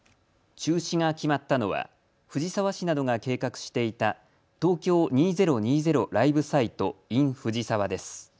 中止が決まったのは藤沢市などが計画していた東京２０２０ライブサイトｉｎ藤沢です。